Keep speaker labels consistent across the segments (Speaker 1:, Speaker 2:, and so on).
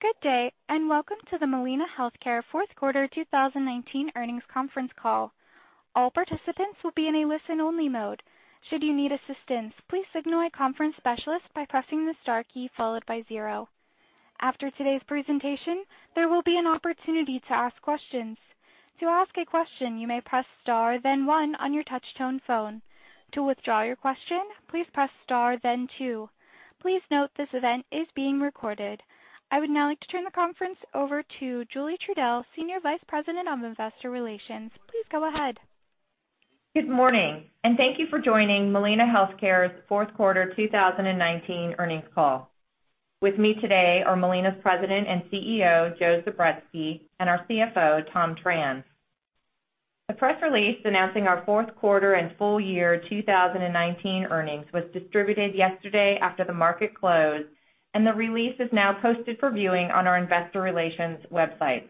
Speaker 1: Good day, and welcome to the Molina Healthcare Fourth Quarter 2019 Earnings Conference Call. All participants will be in a listen-only mode. Should you need assistance, please signal a conference specialist by pressing the star key followed by zero. After today's presentation, there will be an opportunity to ask questions. To ask a question, you may press star then one on your touchtone phone. To withdraw your question, please press star then two. Please note this event is being recorded. I would now like to turn the conference over to Julie Trudell, Senior Vice President of Investor Relations. Please go ahead.
Speaker 2: Good morning, and thank you for joining Molina Healthcare's fourth quarter 2019 earnings call. With me today are Molina's President and CEO, Joe Zubretsky, and our CFO, Thomas Tran. A press release announcing our Fourth Quarter and Full year 2019 Earnings was distributed yesterday after the market closed, and the release is now posted for viewing on our investor relations website.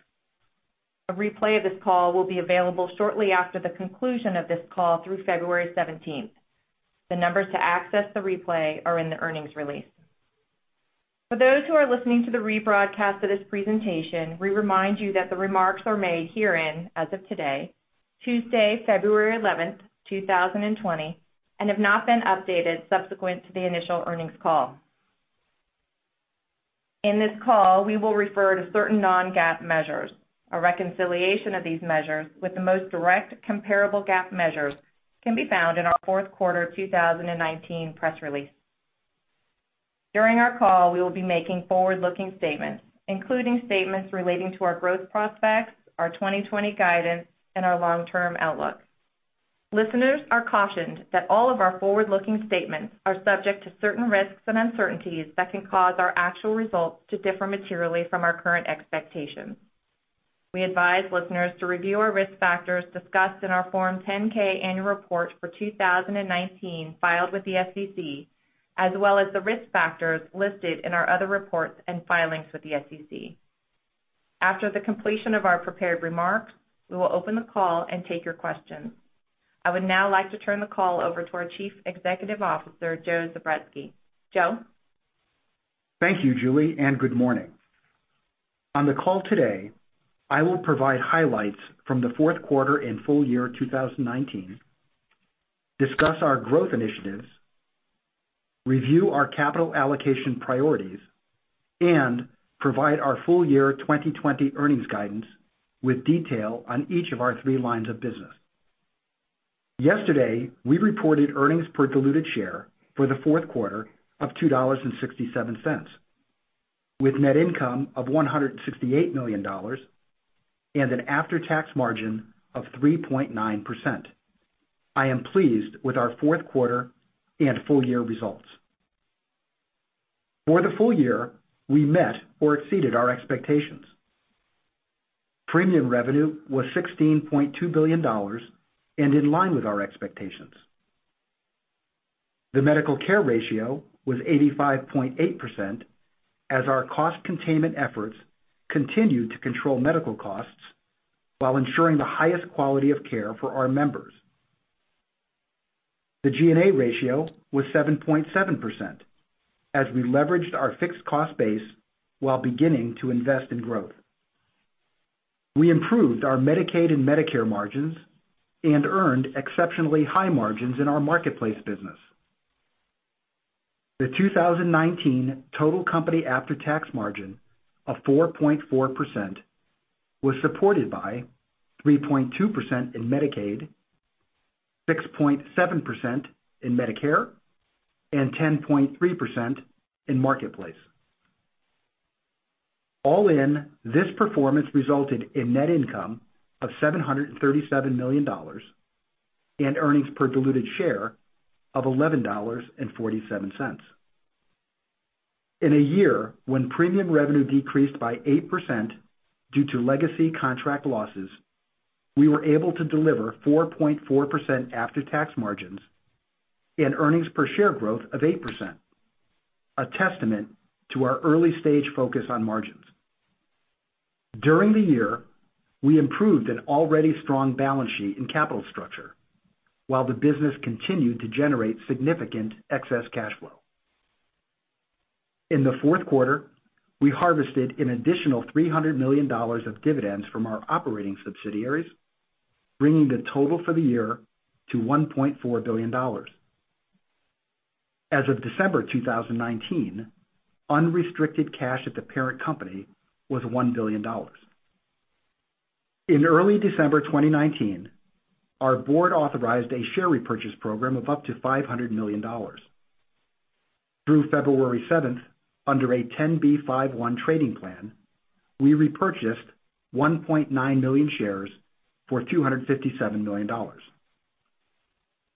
Speaker 2: A replay of this call will be available shortly after the conclusion of this call through February 17th. The numbers to access the replay are in the earnings release. For those who are listening to the rebroadcast of this presentation, we remind you that the remarks are made herein as of today, Tuesday, February 11th, 2020, and have not been updated subsequent to the initial earnings call. In this call, we will refer to certain non-GAAP measures. A reconciliation of these measures with the most direct comparable GAAP measures can be found in our fourth quarter 2019 press release. During our call, we will be making forward-looking statements, including statements relating to our growth prospects, our 2020 guidance, and our long-term outlook. Listeners are cautioned that all of our forward-looking statements are subject to certain risks and uncertainties that can cause our actual results to differ materially from our current expectations. We advise listeners to review our risk factors discussed in our Form 10-K annual report for 2019 filed with the SEC, as well as the risk factors listed in our other reports and filings with the SEC. After the completion of our prepared remarks, we will open the call and take your questions. I would now like to turn the call over to our Chief Executive Officer, Joe Zubretsky. Joe?
Speaker 3: Thank you, Julie, and good morning. On the call today, I will provide highlights from the fourth quarter and full year 2019, discuss our growth initiatives, review our capital allocation priorities, and provide our full year 2020 earnings guidance with detail on each of our three lines of business. Yesterday, we reported earnings per diluted share for the fourth quarter of $2.67, with net income of $168 million and an after-tax margin of 3.9%. I am pleased with our fourth quarter and full year results. For the full year, we met or exceeded our expectations. Premium revenue was $16.2 billion and in line with our expectations. The medical care ratio was 85.8% as our cost containment efforts continued to control medical costs while ensuring the highest quality of care for our members. The G&A ratio was 7.7% as we leveraged our fixed cost base while beginning to invest in growth. We improved our Medicaid and Medicare margins and earned exceptionally high margins in our Marketplace business. The 2019 total company after-tax margin of 4.4% was supported by 3.2% in Medicaid, 6.7% in Medicare, and 10.3% in Marketplace. All in, this performance resulted in net income of $737 million and earnings per diluted share of $11.47. In a year when premium revenue decreased by 8% due to legacy contract losses, we were able to deliver 4.4% after-tax margins and earnings per share growth of 8%, a testament to our early-stage focus on margins. During the year, we improved an already strong balance sheet and capital structure while the business continued to generate significant excess cash flow. In the fourth quarter, we harvested an additional $300 million of dividends from our operating subsidiaries, bringing the total for the year to $1.4 billion. As of December 2019, unrestricted cash at the parent company was $1 billion. In early December 2019, our board authorized a share repurchase program of up to $500 million. Through February 7th, under a 10b5-1 trading plan, we repurchased 1.9 million shares for $257 million.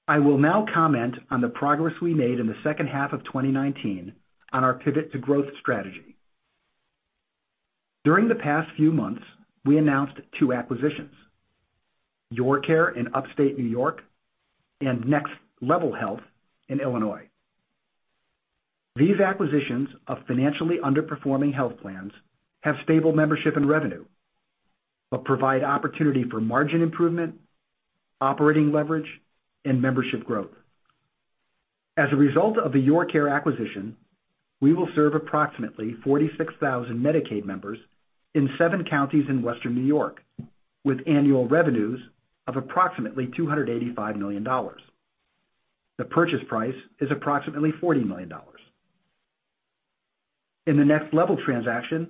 Speaker 3: I will now comment on the progress we made in the second half of 2019 on our pivot to growth strategy. During the past few months, we announced two acquisitions, YourCare in upstate New York and NextLevel Health in Illinois. These acquisitions of financially underperforming health plans have stable membership and revenue but provide opportunity for margin improvement, operating leverage, and membership growth. As a result of the YourCare acquisition, we will serve approximately 46,000 Medicaid members in seven counties in Western New York, with annual revenues of approximately $285 million. The purchase price is approximately $40 million. In the NextLevel transaction,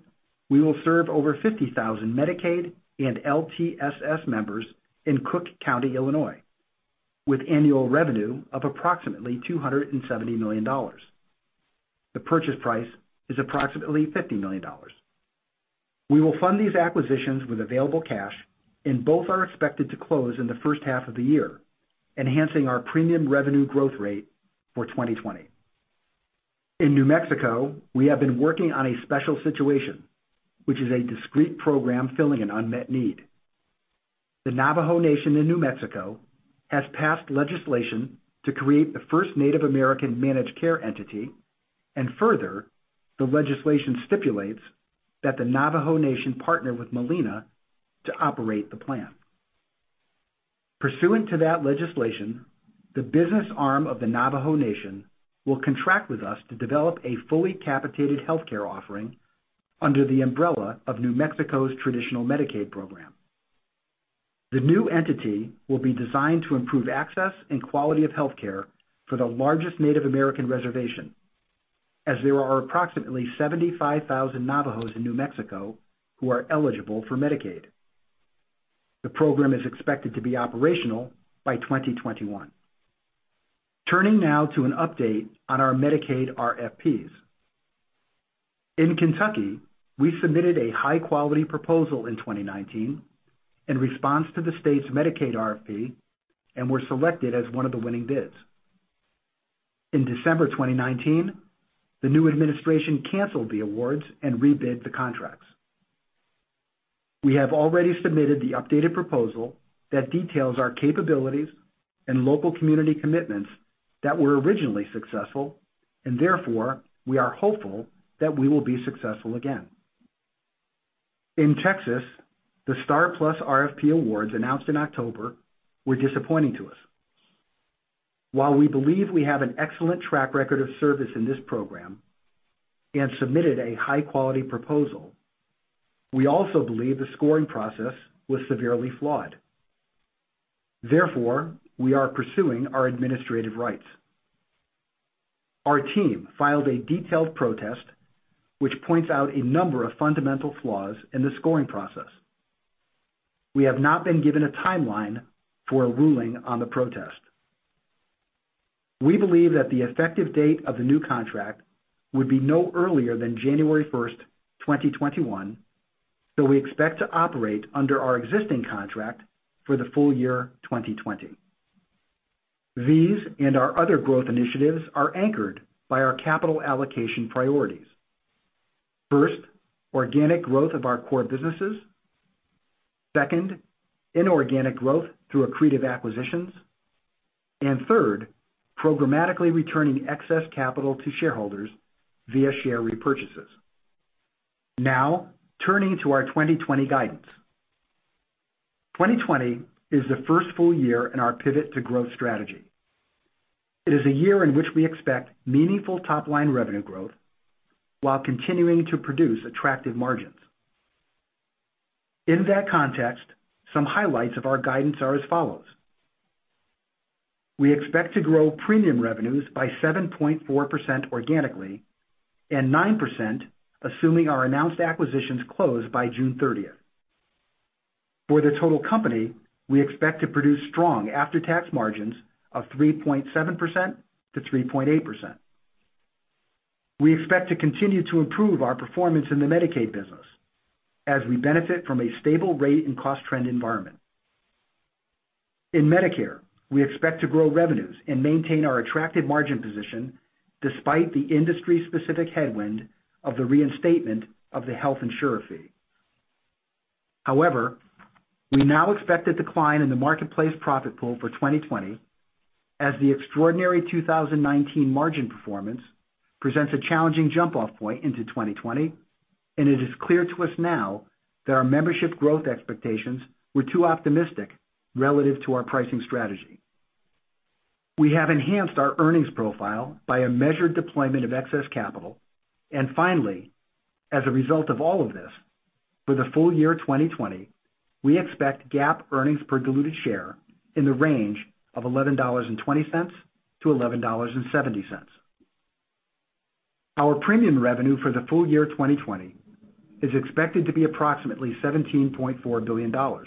Speaker 3: we will serve over 50,000 Medicaid and LTSS members in Cook County, Illinois, with annual revenue of approximately $270 million. The purchase price is approximately $50 million. We will fund these acquisitions with available cash, and both are expected to close in the first half of the year, enhancing our premium revenue growth rate for 2020. In New Mexico, we have been working on a special situation, which is a discrete program filling an unmet need. The Navajo Nation in New Mexico has passed legislation to create the first Native American managed care entity, and further, the legislation stipulates that the Navajo Nation partner with Molina to operate the plan. Pursuant to that legislation, the business arm of the Navajo Nation will contract with us to develop a fully capitated healthcare offering under the umbrella of New Mexico's traditional Medicaid program. The new entity will be designed to improve access and quality of healthcare for the largest Native American reservation, as there are approximately 75,000 Navajos in New Mexico who are eligible for Medicaid. The program is expected to be operational by 2021. Turning now to an update on our Medicaid RFPs. In Kentucky, we submitted a high-quality proposal in 2019 in response to the state's Medicaid RFP and were selected as one of the winning bids. In December 2019, the new administration canceled the awards and rebid the contracts. Therefore, we have already submitted the updated proposal that details our capabilities and local community commitments that were originally successful, and we are hopeful that we will be successful again. In Texas, the STAR+PLUS RFP awards announced in October were disappointing to us. While we believe we have an excellent track record of service in this program and submitted a high-quality proposal, we also believe the scoring process was severely flawed. Therefore, we are pursuing our administrative rights. Our team filed a detailed protest, which points out a number of fundamental flaws in the scoring process. We have not been given a timeline for a ruling on the protest. We believe that the effective date of the new contract would be no earlier than January 1st, 2021, so we expect to operate under our existing contract for the full year 2020. These and our other growth initiatives are anchored by our capital allocation priorities. First, organic growth of our core businesses. Second, inorganic growth through accretive acquisitions. Third, programmatically returning excess capital to shareholders via share repurchases. Turning to our 2020 guidance. 2020 is the first full year in our pivot to growth strategy. It is a year in which we expect meaningful top-line revenue growth while continuing to produce attractive margins. In that context, some highlights of our guidance are as follows. We expect to grow premium revenues by 7.4% organically and 9% assuming our announced acquisitions close by June 30th. For the total company, we expect to produce strong after-tax margins of 3.7%-3.8%. We expect to continue to improve our performance in the Medicaid business as we benefit from a stable rate and cost trend environment. In Medicare, we expect to grow revenues and maintain our attractive margin position despite the industry-specific headwind of the reinstatement of the Health Insurer Fee. However, we now expect a decline in the Marketplace profit pool for 2020 as the extraordinary 2019 margin performance presents a challenging jump-off point into 2020. It is clear to us now that our membership growth expectations were too optimistic relative to our pricing strategy. We have enhanced our earnings profile by a measured deployment of excess capital. Finally, as a result of all of this, for the full year 2020, we expect GAAP earnings per diluted share in the range of $11.20-$11.70. Our premium revenue for the full year 2020 is expected to be approximately $17.4 billion, an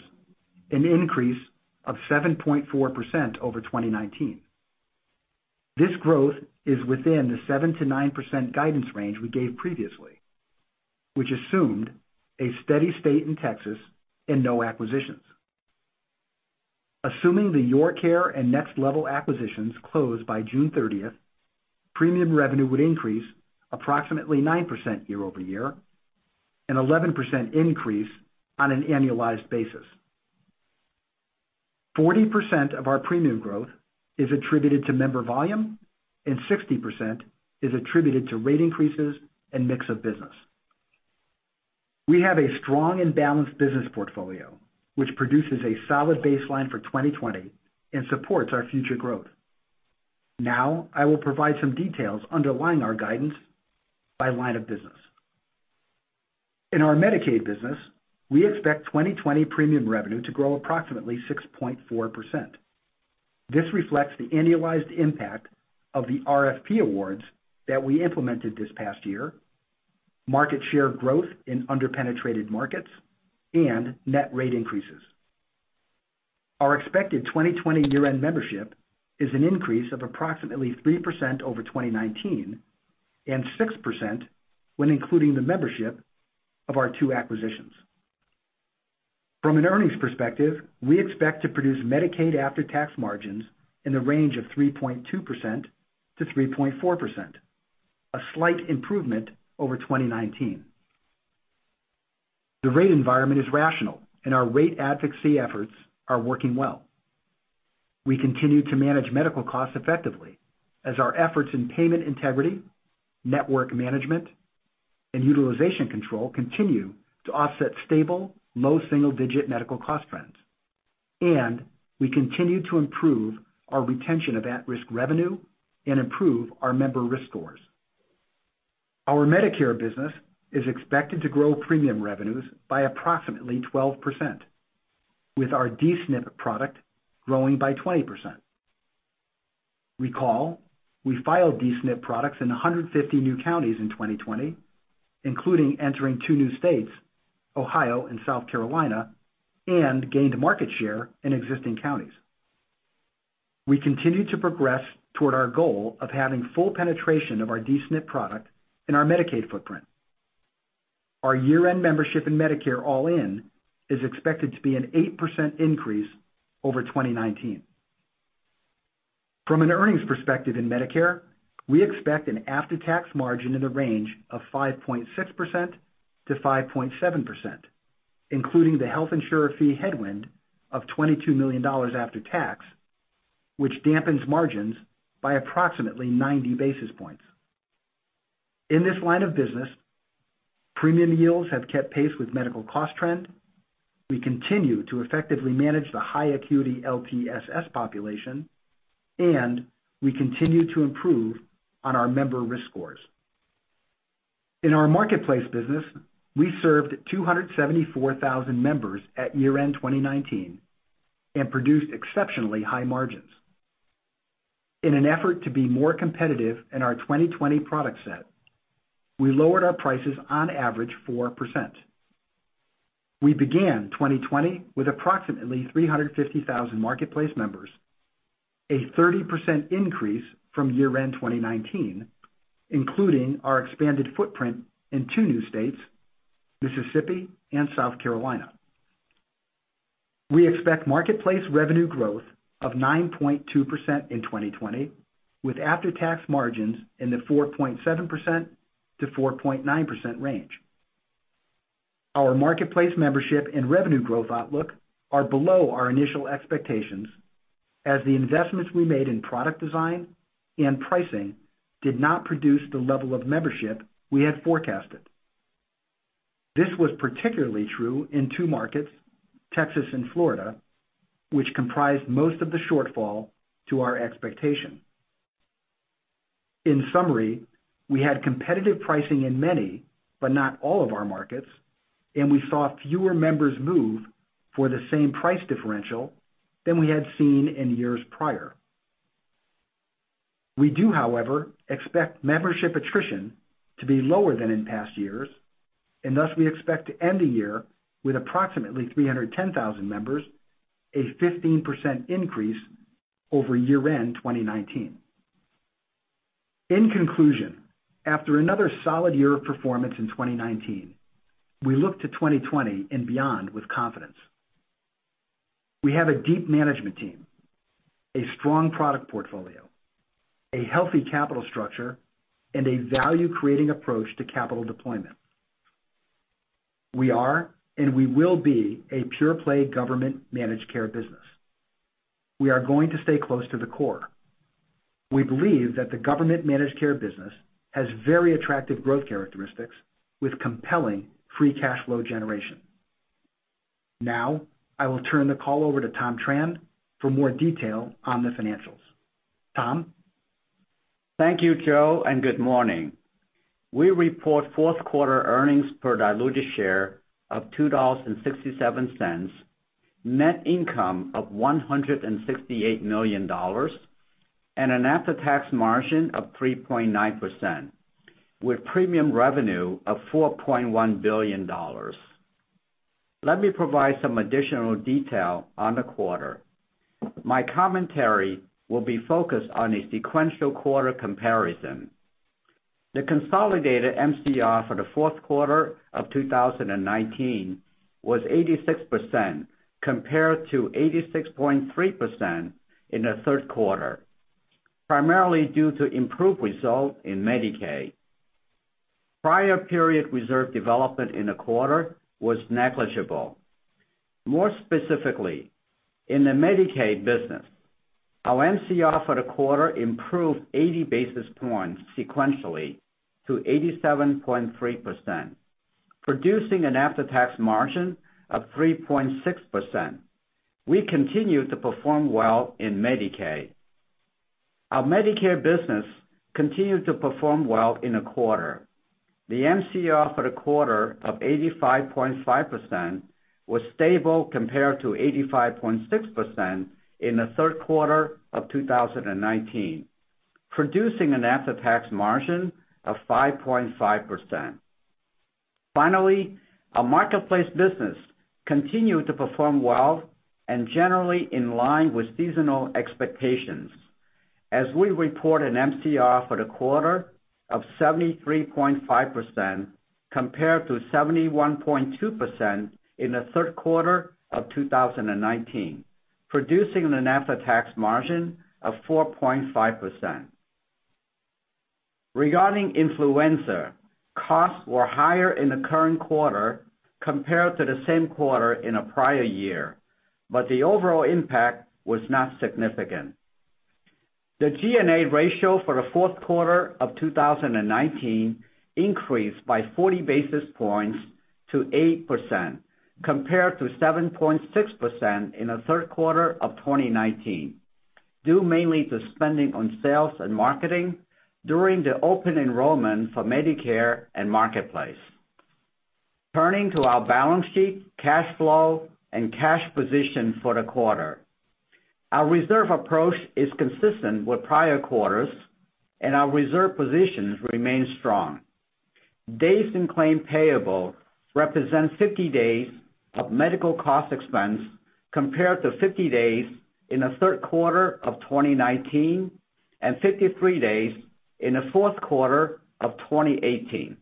Speaker 3: increase of 7.4% over 2019. This growth is within the 7%-9% guidance range we gave previously, which assumed a steady state in Texas and no acquisitions. Assuming the YourCare and NextLevel acquisitions close by June 30th, premium revenue would increase approximately 9% year-over-year, an 11% increase on an annualized basis. 40% of our premium growth is attributed to member volume, and 60% is attributed to rate increases and mix of business. We have a strong and balanced business portfolio, which produces a solid baseline for 2020 and supports our future growth. Now, I will provide some details underlying our guidance by line of business. In our Medicaid business, we expect 2020 premium revenue to grow approximately 6.4%. This reflects the annualized impact of the RFP awards that we implemented this past year, market share growth in under-penetrated markets, and net rate increases. Our expected 2020 year-end membership is an increase of approximately 3% over 2019 and 6% when including the membership of our two acquisitions. From an earnings perspective, we expect to produce Medicaid after-tax margins in the range of 3.2%-3.4%, a slight improvement over 2019. The rate environment is rational, and our rate advocacy efforts are working well. We continue to manage medical costs effectively as our efforts in payment integrity, network management, and utilization control continue to offset stable low single-digit medical cost trends, and we continue to improve our retention of at-risk revenue and improve our member risk scores. Our Medicare business is expected to grow premium revenues by approximately 12%, with our D-SNP product growing by 20%. Recall, we filed D-SNP products in 150 new counties in 2020, including entering two new states, Ohio and South Carolina, and gained market share in existing counties. We continue to progress toward our goal of having full penetration of our D-SNP product in our Medicaid footprint. Our year-end membership in Medicare, all-in, is expected to be an 8% increase over 2019. From an earnings perspective in Medicare, we expect an after-tax margin in the range of 5.6%-5.7%, including the Health Insurer Fee headwind of $22 million after tax, which dampens margins by approximately 90 basis points. In this line of business, premium yields have kept pace with medical cost trend. We continue to effectively manage the high acuity LTSS population, and we continue to improve on our member risk scores. In our Marketplace business, we served 274,000 members at year-end 2019 and produced exceptionally high margins. In an effort to be more competitive in our 2020 product set, we lowered our prices on average 4%. We began 2020 with approximately 350,000 Marketplace members, a 30% increase from year-end 2019, including our expanded footprint in two new states, Mississippi and South Carolina. We expect Marketplace revenue growth of 9.2% in 2020, with after-tax margins in the 4.7%-4.9% range. Our Marketplace membership and revenue growth outlook are below our initial expectations, as the investments we made in product design and pricing did not produce the level of membership we had forecasted. This was particularly true in two markets, Texas and Florida, which comprised most of the shortfall to our expectation. In summary, we had competitive pricing in many, but not all of our markets, and we saw fewer members move for the same price differential than we had seen in years prior. We do, however, expect membership attrition to be lower than in past years, and thus we expect to end the year with approximately 310,000 members, a 15% increase over year-end 2019. In conclusion, after another solid year of performance in 2019, we look to 2020 and beyond with confidence. We have a deep management team, a strong product portfolio, a healthy capital structure, and a value-creating approach to capital deployment. We are, and we will be a pure-play government managed care business. We are going to stay close to the core. We believe that the government managed care business has very attractive growth characteristics with compelling free cash flow generation. Now, I will turn the call over to Tom Tran for more detail on the financials. Tom?
Speaker 4: Thank you, Joe, and good morning. We report fourth quarter earnings per diluted share of $2.67, net income of $168 million, and an after-tax margin of 3.9% with premium revenue of $4.1 billion. Let me provide some additional detail on the quarter. My commentary will be focused on a sequential quarter comparison. The consolidated MCR for the fourth quarter of 2019 was 86% compared to 86.3% in the third quarter, primarily due to improved results in Medicaid. Prior period reserve development in the quarter was negligible. More specifically, in the Medicaid business, our MCR for the quarter improved 80 basis points sequentially to 87.3%, producing an after-tax margin of 3.6%. We continue to perform well in Medicaid. Our Medicare business continued to perform well in the quarter. The MCR for the quarter of 85.5% was stable compared to 85.6% in the third quarter of 2019, producing an after-tax margin of 5.5%. Finally, our Marketplace business continued to perform well and generally in line with seasonal expectations as we report an MCR for the quarter of 73.5%, compared to 71.2% in the third quarter of 2019, producing an after-tax margin of 4.5%. Regarding influenza, costs were higher in the current quarter compared to the same quarter in the prior year, but the overall impact was not significant. The G&A ratio for the fourth quarter of 2019 increased by 40 basis points to 8%, compared to 7.6% in the third quarter of 2019, due mainly to spending on sales and marketing during the open enrollment for Medicare and Marketplace. Turning to our balance sheet, cash flow, and cash position for the quarter. Our reserve approach is consistent with prior quarters, and our reserve positions remain strong. Days in claim payable represents 50 days of medical cost expense compared to 50 days in the third quarter of 2019 and 53 days in the fourth quarter of 2018.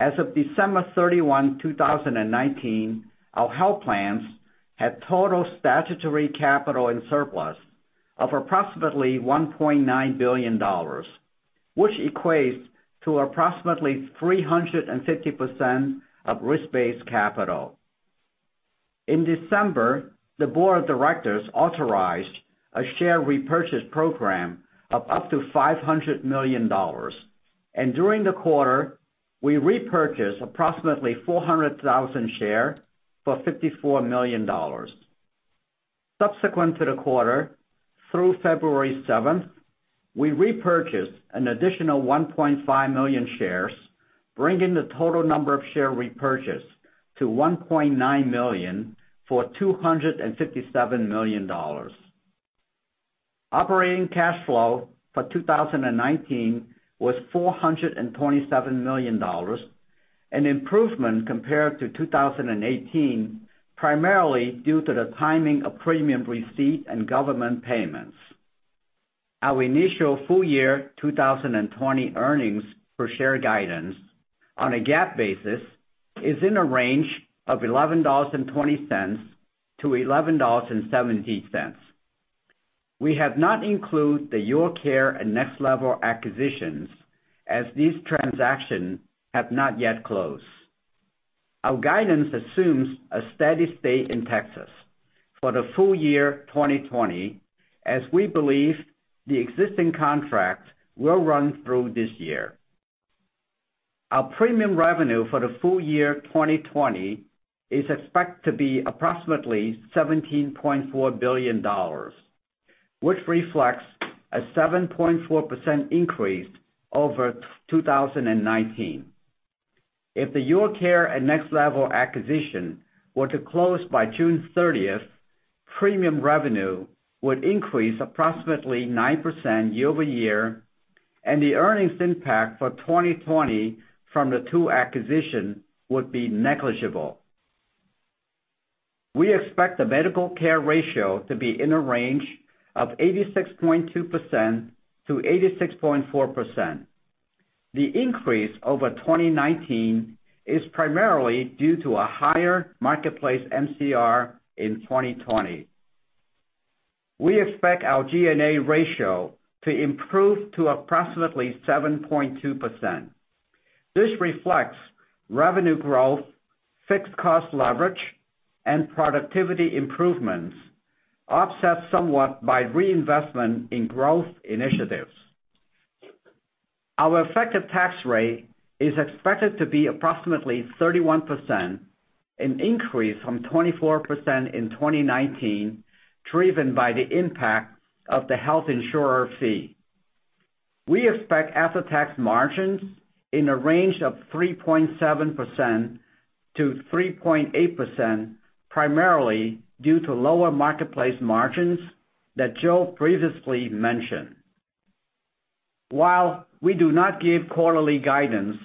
Speaker 4: As of December 31, 2019, our health plans had total statutory capital and surplus of approximately $1.9 billion, which equates to approximately 350% of risk-based capital. In December, the board of directors authorized a share repurchase program of up to $500 million, and during the quarter, we repurchased approximately 400,000 shares for $54 million. Subsequent to the quarter, through February 7th, we repurchased an additional 1.5 million shares, bringing the total number of shares repurchased to 1.9 million for $257 million. Operating cash flow for 2019 was $427 million, an improvement compared to 2018, primarily due to the timing of premium receipt and government payments. Our initial full year 2020 earnings per share guidance on a GAAP basis is in a range of $11.20-$11.70. We have not included the YourCare and NextLevel acquisitions as these transactions have not yet closed. Our guidance assumes a steady state in Texas for the full year 2020, as we believe the existing contract will run through this year. Our premium revenue for the full year 2020 is expected to be approximately $17.4 billion, which reflects a 7.4% increase over 2019. If the YourCare and NextLevel acquisition were to close by June 30th, premium revenue would increase approximately 9% year-over-year, and the earnings impact for 2020 from the two acquisitions would be negligible. We expect the medical care ratio to be in a range of 86.2%-86.4%. The increase over 2019 is primarily due to a higher Marketplace MCR in 2020. We expect our G&A ratio to improve to approximately 7.2%. This reflects revenue growth, fixed cost leverage, and productivity improvements, offset somewhat by reinvestment in growth initiatives. Our effective tax rate is expected to be approximately 31%, an increase from 24% in 2019, driven by the impact of the Health Insurer Fee. We expect after-tax margins in a range of 3.7%-3.8%, primarily due to lower Marketplace margins that Joe previously mentioned. While we do not give quarterly guidance,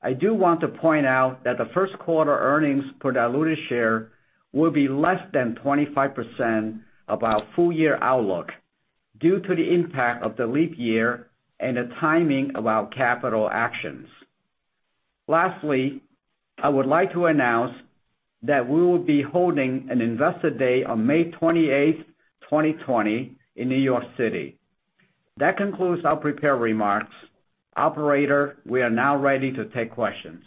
Speaker 4: I do want to point out that the first quarter earnings per diluted share will be less than 25% of our full-year outlook due to the impact of the leap year and the timing of our capital actions. Lastly, I would like to announce that we will be holding an Investor Day on May 28th, 2020, in New York City.
Speaker 3: That concludes our prepared remarks. Operator, we are now ready to take questions.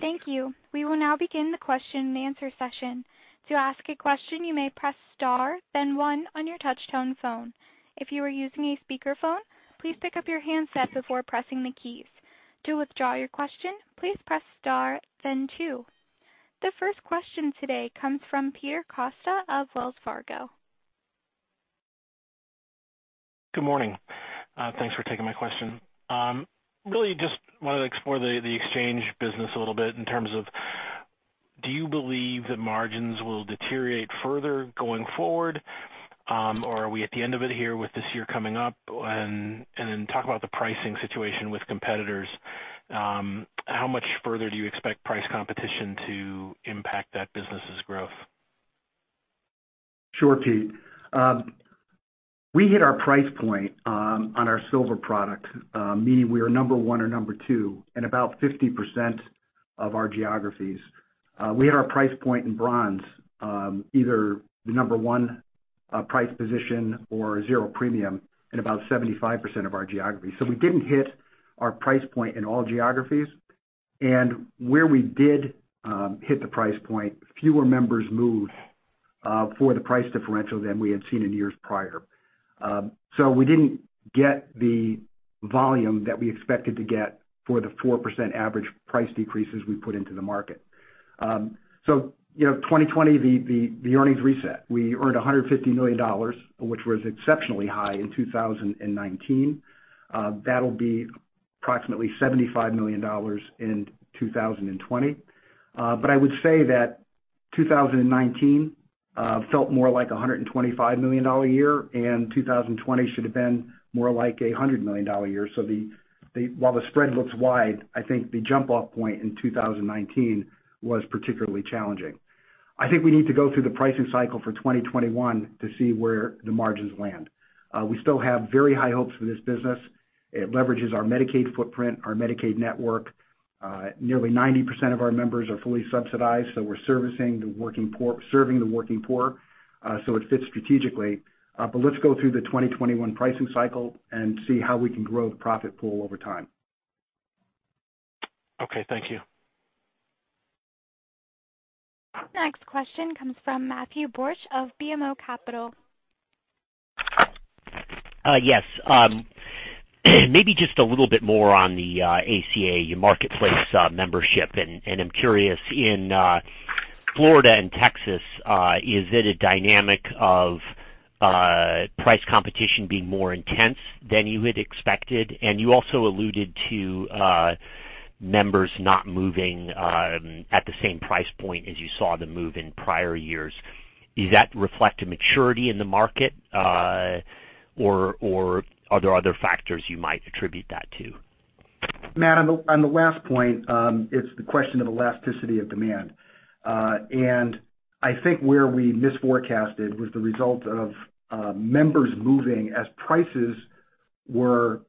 Speaker 1: Thank you. We will now begin the question and answer session. To ask a question, you may press star then one on your touch-tone phone. If you are using a speakerphone, please pick up your handset before pressing the keys. To withdraw your question, please press star then two. The first question today comes from Peter Costa of Wells Fargo.
Speaker 5: Good morning. Thanks for taking my question. Really just wanted to explore the exchange business a little bit in terms of, do you believe that margins will deteriorate further going forward? Are we at the end of it here with this year coming up? Talk about the pricing situation with competitors. How much further do you expect price competition to impact that business's growth?
Speaker 3: Sure, Pete. We hit our price point on our silver product, meaning we are number 1 or number 2 in about 50% of our geographies. We hit our price point in bronze, either the number 1 price position or zero premium in about 75% of our geography. We didn't hit our price point in all geographies, and where we did hit the price point, fewer members moved for the price differential than we had seen in years prior. We didn't get the volume that we expected to get for the 4% average price decreases we put into the market. 2020, the earnings reset. We earned $150 million, which was exceptionally high in 2019. That'll be approximately $75 million in 2020. I would say that 2019 felt more like $125 million a year, and 2020 should have been more like $100 million a year. While the spread looks wide, I think the jump-off point in 2019 was particularly challenging. I think we need to go through the pricing cycle for 2021 to see where the margins land. We still have very high hopes for this business. It leverages our Medicaid footprint, our Medicaid network. Nearly 90% of our members are fully subsidized, so we're serving the working poor, so it fits strategically. Let's go through the 2021 pricing cycle and see how we can grow the profit pool over time.
Speaker 5: Okay, thank you.
Speaker 1: Next question comes from Matthew Borsch of BMO Capital.
Speaker 6: Yes. Maybe just a little bit more on the ACA Marketplace membership, I'm curious, in Florida and Texas, is it a dynamic of price competition being more intense than you had expected? You also alluded to members not moving at the same price point as you saw them move in prior years. Does that reflect a maturity in the market? Are there other factors you might attribute that to?
Speaker 3: Matt, on the last point, it's the question of elasticity of demand. I think where we misforecasted was the result of members moving as prices were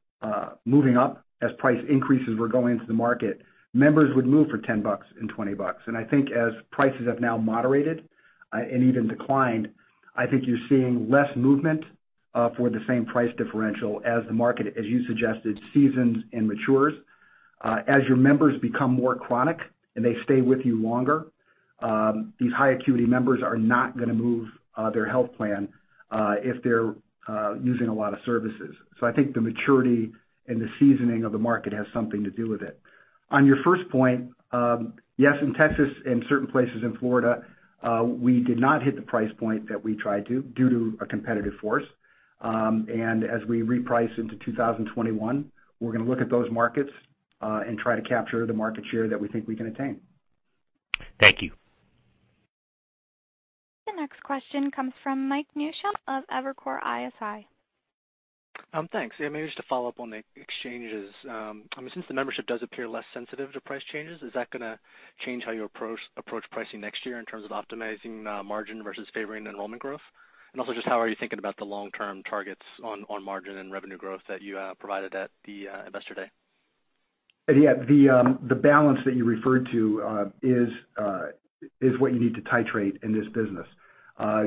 Speaker 3: moving up, as price increases were going into the market, members would move for $10 and $20. I think as prices have now moderated and even declined, I think you're seeing less movement for the same price differential as the market, as you suggested, seasons and matures. As your members become more chronic and they stay with you longer, these high acuity members are not going to move their health plan if they're using a lot of services. I think the maturity and the seasoning of the market has something to do with it. On your first point, yes, in Texas and certain places in Florida, we did not hit the price point that we tried to due to a competitive force. As we reprice into 2021, we're going to look at those markets and try to capture the market share that we think we can attain.
Speaker 6: Thank you.
Speaker 1: The next question comes from Michael Newshel of Evercore ISI.
Speaker 7: Thanks. Yeah, maybe just to follow up on the exchanges. Since the membership does appear less sensitive to price changes, is that going to change how you approach pricing next year in terms of optimizing margin versus favoring enrollment growth? Also, just how are you thinking about the long-term targets on margin and revenue growth that you provided at the Investor Day?
Speaker 3: Yeah. The balance that you referred to is what you need to titrate in this business.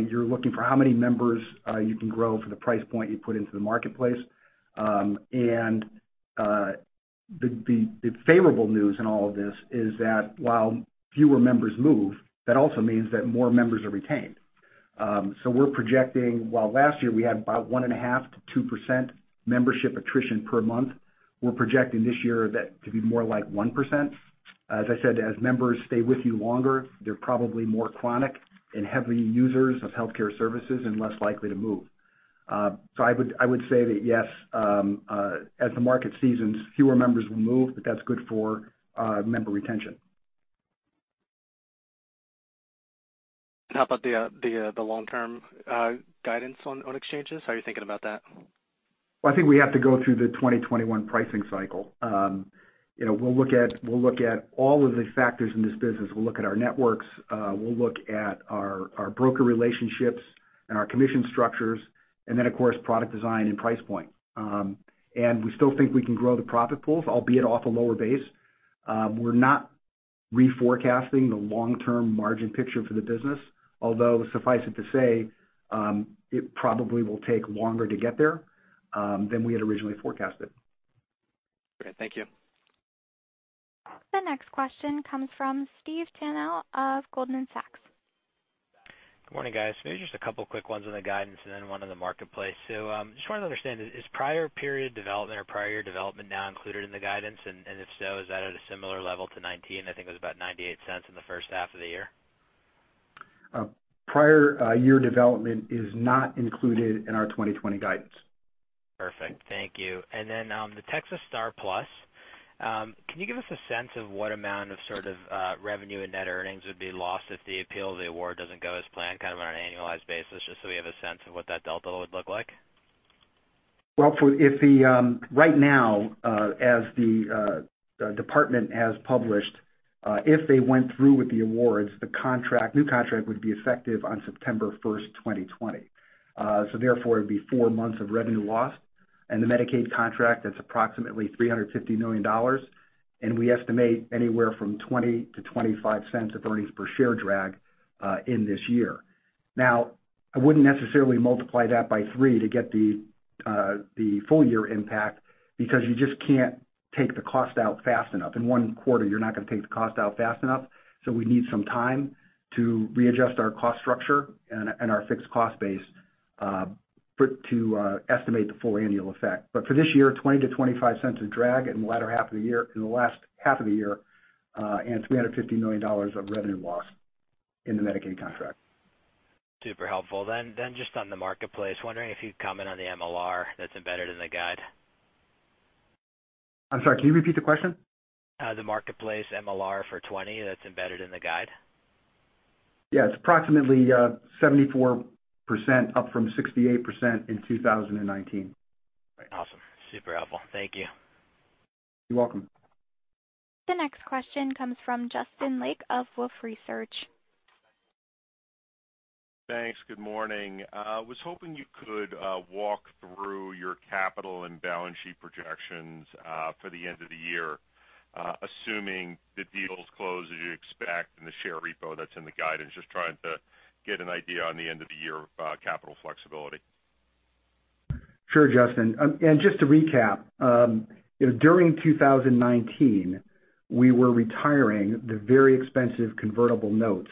Speaker 3: You're looking for how many members you can grow for the price point you put into the Marketplace. The favorable news in all of this is that while fewer members move, that also means that more members are retained. We're projecting, while last year we had about 1.5%-2% membership attrition per month, we're projecting this year that to be more like 1%. As I said, as members stay with you longer, they're probably more chronic and heavy users of healthcare services and less likely to move. I would say that, yes, as the market seasons, fewer members will move, but that's good for member retention.
Speaker 7: How about the long-term guidance on Marketplace? How are you thinking about that?
Speaker 3: Well, I think we have to go through the 2021 pricing cycle. We'll look at all of the factors in this business. We'll look at our networks, we'll look at our broker relationships and our commission structures, and then, of course, product design and price point. We still think we can grow the profit pools, albeit off a lower base. We're not forecasting the long-term margin picture for the business, although suffice it to say, it probably will take longer to get there than we had originally forecasted.
Speaker 7: Okay, thank you.
Speaker 1: The next question comes from Steve Tanal of Goldman Sachs.
Speaker 8: Good morning, guys. Maybe just a couple quick ones on the guidance and then one on the Marketplace. Just wanted to understand is prior period development or prior year development now included in the guidance? If so, is that at a similar level to 2019? I think it was about $0.98 in the first half of the year.
Speaker 3: Prior year development is not included in our 2020 guidance.
Speaker 8: Perfect. Thank you. On the Texas STAR+PLUS, can you give us a sense of what amount of sort of revenue and net earnings would be lost if the appeal of the award doesn't go as planned, kind of on an annualized basis, just so we have a sense of what that delta would look like?
Speaker 3: Well, right now, as the department has published, if they went through with the awards, the new contract would be effective on September 1st, 2020. Therefore, it'd be four months of revenue lost and the Medicaid contract, that's approximately $350 million. We estimate anywhere from $0.20-$0.25 of earnings per share drag in this year. Now, I wouldn't necessarily multiply that by three to get the full year impact because you just can't take the cost out fast enough. In one quarter, you're not going to take the cost out fast enough. We need some time to readjust our cost structure and our fixed cost base to estimate the full annual effect. For this year, $0.20-$0.25 of drag in the latter half of the year, in the last half of the year, and $350 million of revenue loss in the Medicaid contract.
Speaker 8: Super helpful. Just on the Marketplace, wondering if you'd comment on the MLR that's embedded in the guide?
Speaker 3: I'm sorry, can you repeat the question?
Speaker 8: The Marketplace MLR for 2020 that's embedded in the guide.
Speaker 3: Yeah. It's approximately 74%, up from 68% in 2019.
Speaker 8: Awesome. Super helpful. Thank you.
Speaker 3: You're welcome.
Speaker 1: The next question comes from Justin Lake of Wolfe Research.
Speaker 9: Thanks. Good morning. I was hoping you could walk through your capital and balance sheet projections for the end of the year, assuming the deals close as you expect and the share repo that's in the guidance? Just trying to get an idea on the end of the year capital flexibility.
Speaker 3: Sure, Justin. Just to recap, during 2019, we were retiring the very expensive convertible notes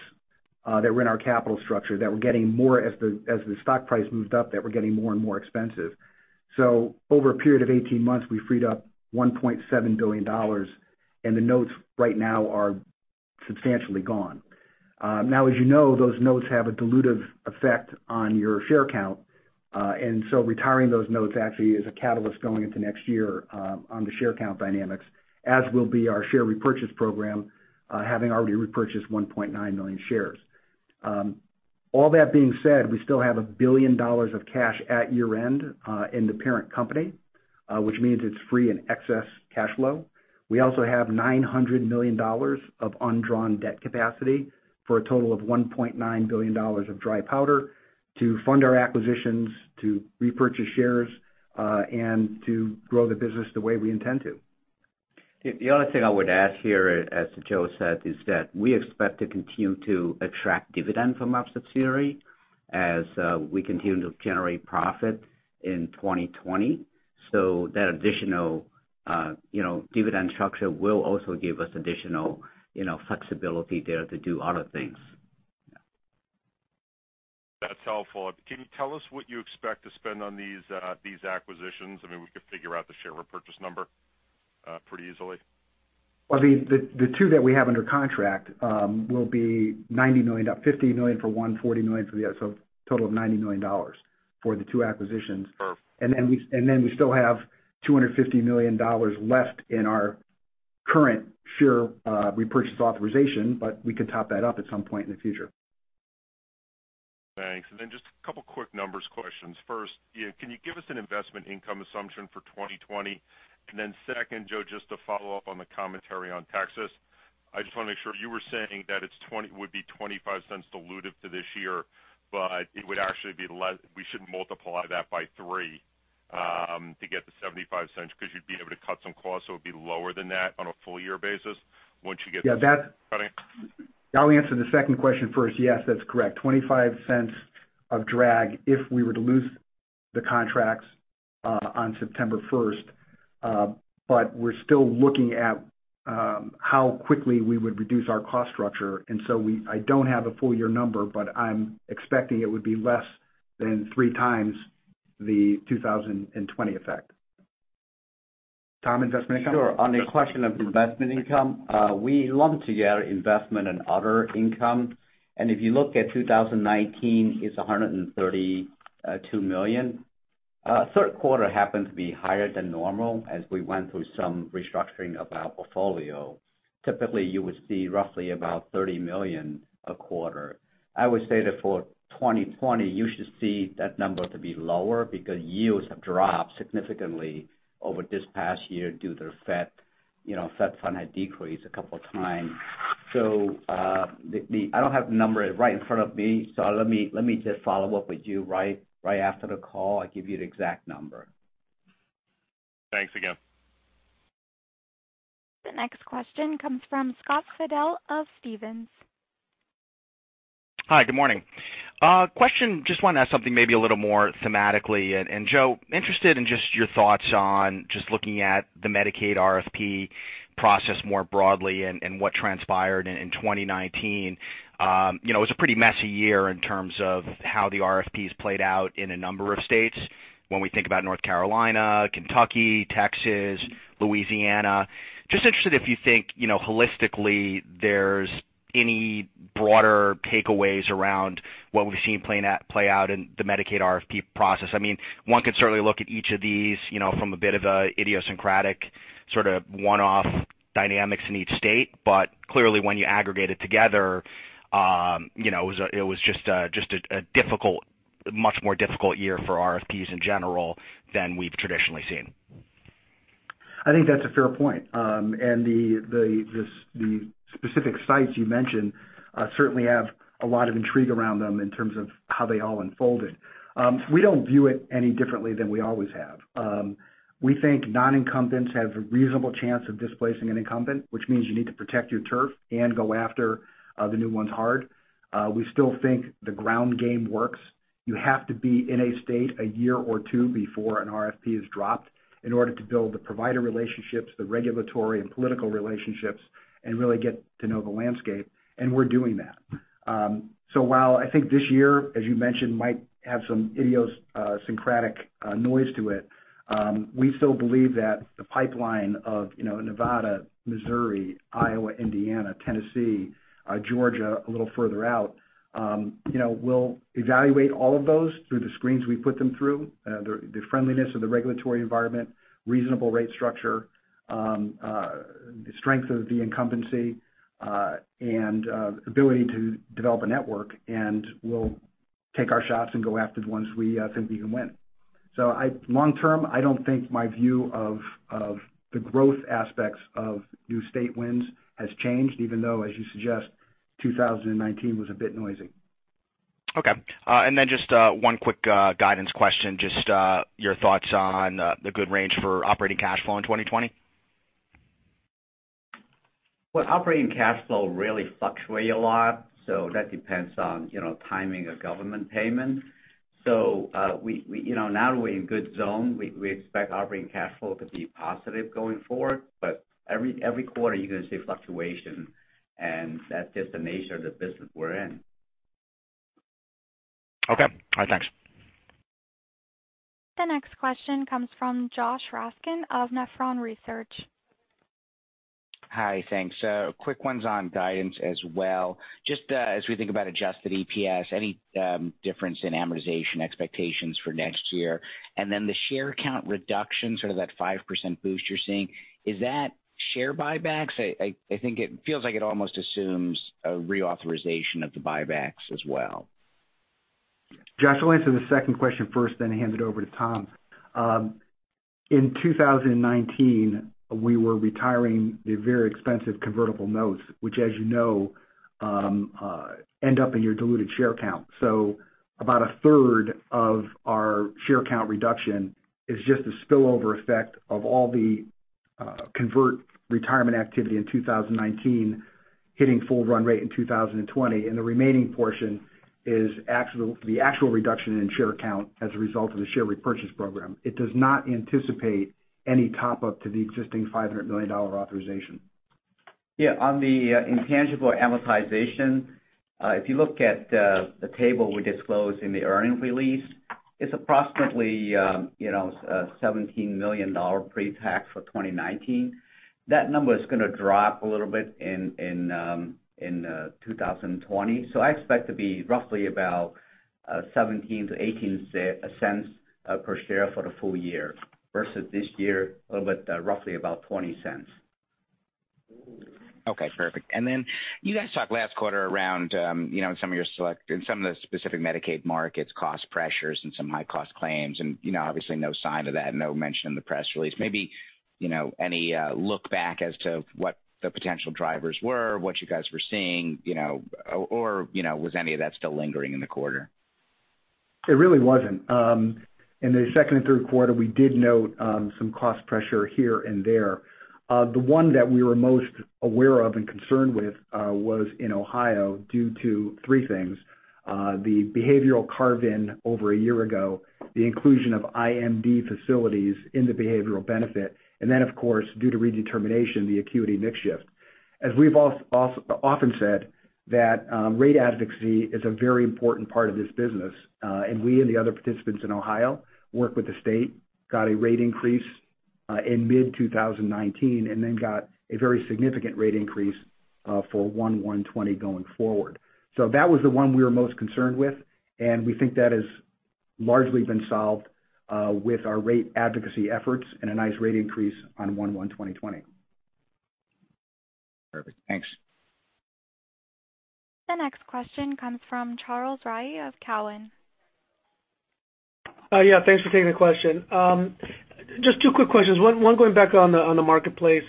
Speaker 3: that were in our capital structure, that were getting more as the stock price moved up, that were getting more and more expensive. Over a period of 18 months, we freed up $1.7 billion, and the notes right now are substantially gone. As you know, those notes have a dilutive effect on your share count. Retiring those notes actually is a catalyst going into next year on the share count dynamics, as will be our share repurchase program, having already repurchased 1.9 million shares. All that being said, we still have $1 billion of cash at year-end in the parent company, which means it's free and excess cash flow. We also have $900 million of undrawn debt capacity for a total of $1.9 billion of dry powder to fund our acquisitions, to repurchase shares, and to grow the business the way we intend to.
Speaker 4: The only thing I would add here, as Joe said, is that we expect to continue to attract dividend from subsidiary as we continue to generate profit in 2020. That additional dividend structure will also give us additional flexibility there to do other things.
Speaker 9: That's helpful. Can you tell us what you expect to spend on these acquisitions? I mean, we could figure out the share repurchase number pretty easily.
Speaker 3: Well, the two that we have under contract will be $90 million, $50 million for one, $40 million for the other, a total of $90 million for the two acquisitions.
Speaker 9: Perfect.
Speaker 3: We still have $250 million left in our current share repurchase authorization, but we could top that up at some point in the future.
Speaker 9: Thanks. Just a couple quick numbers questions. First, can you give us an investment income assumption for 2020? Second, Joe, just to follow up on the commentary on Texas, I just want to make sure you were saying that it would be $0.25 dilutive to this year, but it would actually be less. We should multiply that by three to get to $0.75 because you'd be able to cut some costs, so it'd be lower than that on a full year basis once you get cutting.
Speaker 3: I'll answer the second question first. Yes, that's correct. $0.25 of drag if we were to lose the contracts on September 1st. We're still looking at how quickly we would reduce our cost structure. I don't have a full year number, but I'm expecting it would be less than 3x the 2020 effect. Tom, investment income?
Speaker 4: Sure. On the question of investment income, we lump together investment and other income. If you look at 2019, it's $132 million. Third quarter happened to be higher than normal as we went through some restructuring of our portfolio. Typically, you would see roughly about $30 million a quarter. I would say that for 2020, you should see that number to be lower because yields have dropped significantly over this past year due to the Fed fund had decreased a couple of times. I don't have the number right in front of me, so let me just follow up with you right after the call. I'll give you the exact number.
Speaker 3: Thanks again.
Speaker 1: The next question comes from Scott Fidel of Stephens.
Speaker 10: Hi, good morning. Question, just want to ask something maybe a little more thematically. Joe, interested in just your thoughts on just looking at the Medicaid RFP process more broadly and what transpired in 2019. It was a pretty messy year in terms of how the RFPs played out in a number of states. We think about North Carolina, Kentucky, Texas, Louisiana. Just interested if you think holistically there's any broader takeaways around what we've seen play out in the Medicaid RFP process. One could certainly look at each of these from a bit of a idiosyncratic sort of one-off dynamics in each state. Clearly when you aggregate it together, it was just a much more difficult year for RFPs in general than we've traditionally seen.
Speaker 3: I think that's a fair point. The specific sites you mentioned, certainly have a lot of intrigue around them in terms of how they all unfolded. We don't view it any differently than we always have. We think non-incumbents have a reasonable chance of displacing an incumbent, which means you need to protect your turf and go after the new ones hard. We still think the ground game works. You have to be in a state a year or two before an RFP is dropped in order to build the provider relationships, the regulatory and political relationships, and really get to know the landscape, and we're doing that. While I think this year, as you mentioned, might have some idiosyncratic noise to it, we still believe that the pipeline of Nevada, Missouri, Iowa, Indiana, Tennessee, Georgia, a little further out, we'll evaluate all of those through the screens we put them through, the friendliness of the regulatory environment, reasonable rate structure, strength of the incumbency, and ability to develop a network, and we'll take our shots and go after the ones we think we can win. Long-term, I don't think my view of the growth aspects of new state wins has changed, even though, as you suggest, 2019 was a bit noisy.
Speaker 10: Okay. Just one quick guidance question, just your thoughts on the good range for operating cash flow in 2020.
Speaker 4: Well, operating cash flow really fluctuate a lot, so that depends on timing of government payments. Now we're in good zone. We expect operating cash flow to be positive going forward, but every quarter you're going to see fluctuation, and that's just the nature of the business we're in.
Speaker 10: Okay. All right, thanks.
Speaker 1: The next question comes from Josh Raskin of Nephron Research.
Speaker 11: Hi, thanks. A quick one's on guidance as well. Just as we think about adjusted EPS, any difference in amortization expectations for next year? The share count reduction, sort of that 5% boost you're seeing, is that share buybacks? I think it feels like it almost assumes a reauthorization of the buybacks as well.
Speaker 3: Josh, I'll answer the second question first, then hand it over to Tom. In 2019, we were retiring the very expensive convertible notes, which as you know, end up in your diluted share count. About a third of our share count reduction is just a spillover effect of all the convert retirement activity in 2019, hitting full run rate in 2020, and the remaining portion is the actual reduction in share count as a result of the share repurchase program. It does not anticipate any top-up to the existing $500 million authorization.
Speaker 4: Yeah, on the intangible amortization, if you look at the table we disclosed in the earnings release, it's approximately $17 million pre-tax for 2019. That number is going to drop a little bit in 2020. I expect to be roughly about $0.17-$0.18 per share for the full year, versus this year, a little bit, roughly about $0.20.
Speaker 11: Okay, perfect. You guys talked last quarter around some of the specific Medicaid markets cost pressures and some high-cost claims, and obviously no sign of that, no mention in the press release. Maybe any look back as to what the potential drivers were, what you guys were seeing, or was any of that still lingering in the quarter?
Speaker 3: It really wasn't. In the second and third quarter, we did note some cost pressure here and there. The one that we were most aware of and concerned with was in Ohio due to three things. The behavioral carve-in over a year ago, the inclusion of IMD facilities in the behavioral benefit, and then of course, due to redetermination, the acuity mix shift. As we've often said that rate advocacy is a very important part of this business. We and the other participants in Ohio work with the state, got a rate increase in mid-2019, and then got a very significant rate increase for 1/1/2020 going forward. That was the one we were most concerned with, and we think that has largely been solved with our rate advocacy efforts and a nice rate increase on 1/1/2020.
Speaker 11: Perfect. Thanks.
Speaker 1: The next question comes from Charles Rhyee of Cowen.
Speaker 12: Yeah, thanks for taking the question. Just two quick questions. One going back on the Marketplace.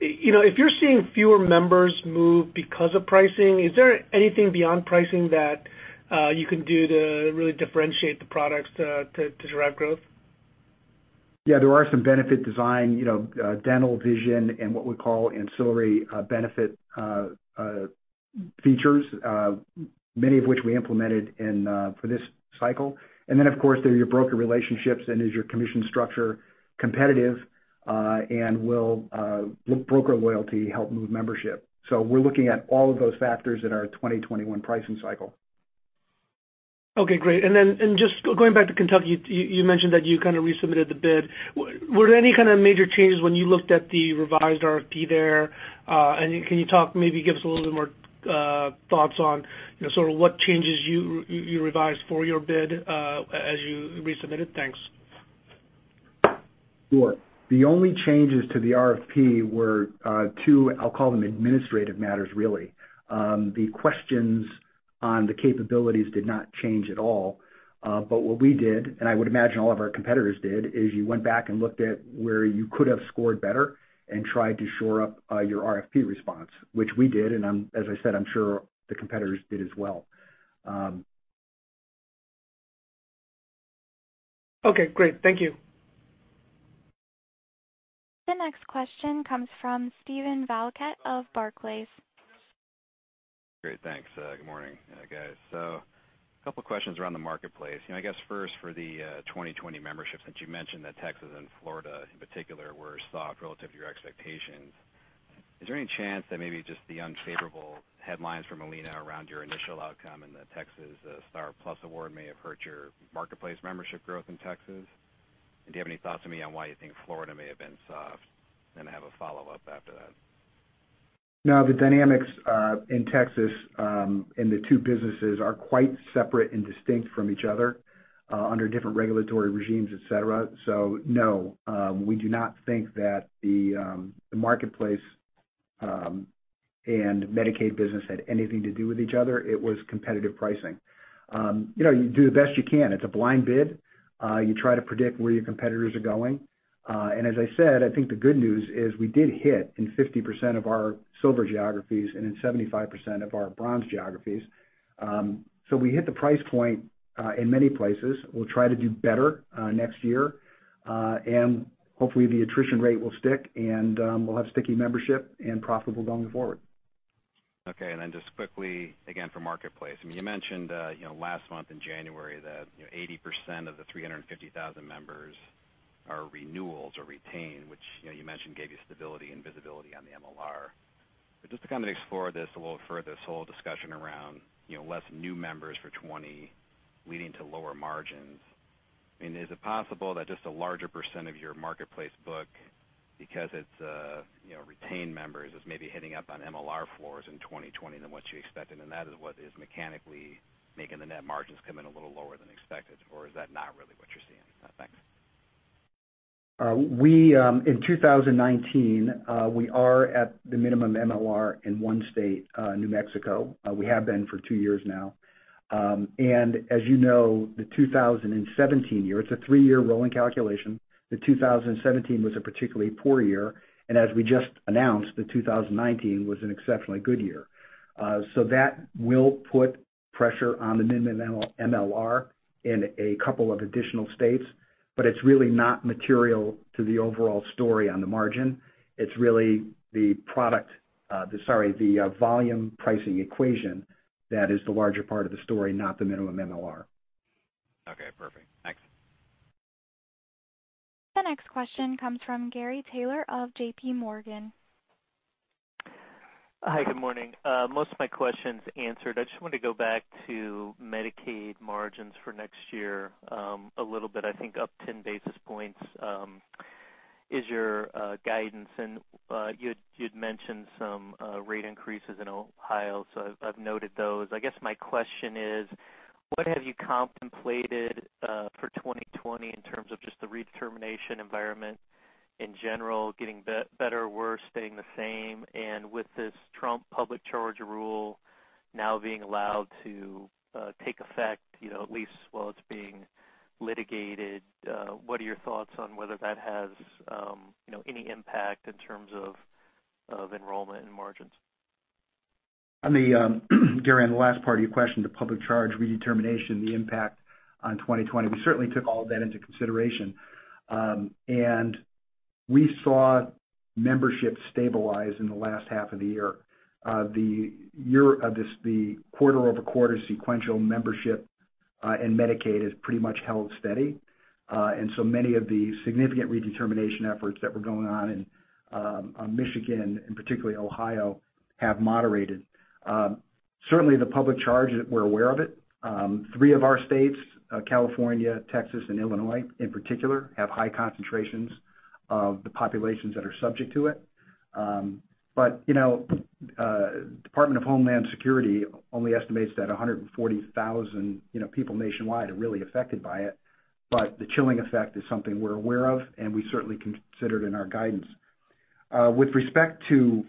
Speaker 12: If you're seeing fewer members move because of pricing, is there anything beyond pricing that you can do to really differentiate the products to drive growth?
Speaker 3: Yeah, there are some benefit design, dental, vision, and what we call ancillary benefit features, many of which we implemented for this cycle. Of course, there are your broker relationships and is your commission structure competitive, and will broker loyalty help move membership? We're looking at all of those factors in our 2021 pricing cycle.
Speaker 12: Okay, great. Just going back to Kentucky, you mentioned that you resubmitted the bid. Were there any kind of major changes when you looked at the revised RFP there? Can you talk, maybe give us a little bit more thoughts on sort of what changes you revised for your bid as you resubmitted? Thanks.
Speaker 3: Sure. The only changes to the RFP were two, I'll call them administrative matters, really. The questions on the capabilities did not change at all. What we did, and I would imagine all of our competitors did, is you went back and looked at where you could have scored better and tried to shore up your RFP response, which we did, and as I said, I'm sure the competitors did as well.
Speaker 12: Okay, great. Thank you.
Speaker 1: The next question comes from Steven Valiquette of Barclays.
Speaker 13: Great, thanks. Good morning, guys. A couple of questions around the Marketplace. I guess first for the 2020 membership, since you mentioned that Texas and Florida in particular were soft relative to your expectations, is there any chance that maybe just the unfavorable headlines from Molina around your initial outcome in the Texas STAR+PLUS award may have hurt your Marketplace membership growth in Texas? Do you have any thoughts maybe on why you think Florida may have been soft? I have a follow-up after that.
Speaker 3: No, the dynamics in Texas in the two businesses are quite separate and distinct from each other under different regulatory regimes, et cetera. No, we do not think that the Marketplace and Medicaid business had anything to do with each other. It was competitive pricing. You do the best you can. It's a blind bid. You try to predict where your competitors are going. As I said, I think the good news is we did hit in 50% of our silver geographies and in 75% of our bronze geographies. We hit the price point in many places. We'll try to do better next year. Hopefully, the attrition rate will stick, and we'll have sticky membership and profitable going forward.
Speaker 13: Okay, just quickly, again, for Marketplace. You mentioned last month in January that 80% of the 350,000 members are renewals or retained, which you mentioned gave you stability and visibility on the MLR. Just to kind of explore this a little further, this whole discussion around less new members for 2020 leading to lower margins, is it possible that just a larger percent of your Marketplace book, because it's retained members, is maybe hitting up on MLR floors in 2020 than what you expected, and that is what is mechanically making the net margins come in a little lower than expected, or is that not really what you're seeing? Thanks.
Speaker 3: In 2019, we are at the minimum MLR in one state, New Mexico. We have been for two years now. As you know, the 2017 year, it's a three-year rolling calculation, the 2017 was a particularly poor year. As we just announced, the 2019 was an exceptionally good year. That will put pressure on the minimum MLR in a couple of additional states, but it's really not material to the overall story on the margin. It's really the volume pricing equation that is the larger part of the story, not the minimum MLR.
Speaker 13: Okay, perfect. Thanks.
Speaker 1: The next question comes from Gary Taylor of JPMorgan.
Speaker 14: Hi, good morning. Most of my questions answered. I just wanted to go back to Medicaid margins for next year a little bit. I think up 10 basis points is your guidance, and you'd mentioned some rate increases in Ohio, so I've noted those. With this Trump public charge rule now being allowed to take effect, at least while it's being litigated, what are your thoughts on whether that has any impact in terms of enrollment and margins?
Speaker 3: Gary, on the last part of your question, the public charge redetermination, the impact on 2020, we certainly took all of that into consideration. We saw membership stabilize in the last half of the year. The quarter-over-quarter sequential membership in Medicaid has pretty much held steady. Many of the significant redetermination efforts that were going on in Michigan, and particularly Ohio, have moderated. Certainly, the public charge, we're aware of it. Three of our states, California, Texas, and Illinois in particular, have high concentrations of the populations that are subject to it. Department of Homeland Security only estimates that 140,000 people nationwide are really affected by it. The chilling effect is something we're aware of, and we certainly considered in our guidance. With respect to